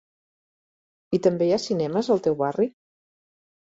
I també hi ha cinemes al teu barri?